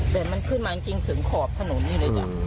แต่มันขึ้นมาจริงถึงขอบถนนนี่เลยจ้ะ